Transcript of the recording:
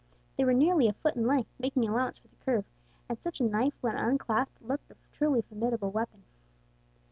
They were nearly a foot in length, making allowance for the curve, and such a knife when unclasped looked a truly formidable weapon.